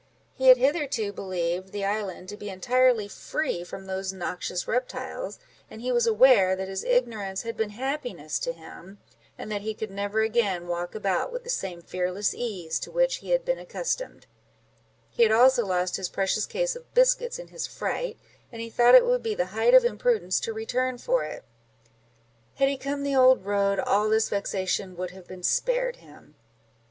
He had hitherto believed the island to be entirely free from those noxious reptiles, and he was aware that his ignorance had been happiness to him, and that he could never again walk about with the same fearless ease to which he had been accustomed; he had also lost his precious case of biscuits in his fright, and he thought it would be the height of imprudence to return for it; had he come the old road, all this vexation would have been spared him.